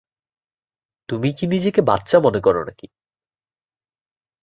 তুমি কি নিজেকে বাচ্চা মনে করো নাকি?